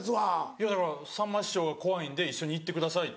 いやだからさんま師匠怖いんで一緒に行ってくださいって。